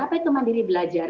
apa itu mandiri belajar